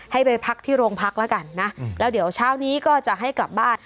ให้ไปพักที่โรงพักแล้วกันนะแล้วเดี๋ยวเช้านี้ก็จะให้กลับบ้าน